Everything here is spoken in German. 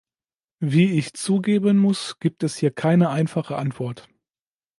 Wie ich zugeben muss, gibt es hier keine einfache Antwort.